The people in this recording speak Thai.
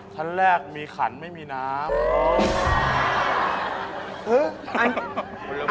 ชั้นแรกมีขันไม่มีน้ำ